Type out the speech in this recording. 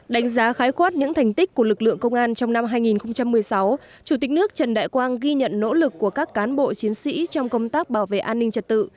đánh giá khái quát những thành tích của lực lượng công an trong năm hai nghìn một mươi sáu chủ tịch nước trần đại quang ghi nhận nỗ lực của các cán bộ chiến sĩ trong công tác bảo vệ an ninh trật tự